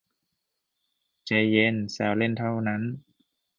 ใจเย็น แซวเล่นเท่านั้น